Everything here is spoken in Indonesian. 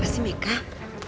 gak boleh hasil zelf